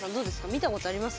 見たことあります？